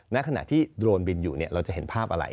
ณขณะที่โดรนบินอยู่เราจะเห็นภาพอะไร